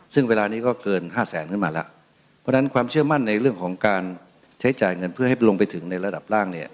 ซึ่งเวลานี้ก็เกินห้าแสนขึ้นมาแล้วเพราะฉะนั้นความเชื่อมั่นในเรื่องของการใช้จ่ายเงินเพื่อให้ลงไปถึงในระดับล่างเนี่ย